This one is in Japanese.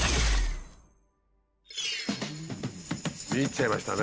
見入っちゃいましたね。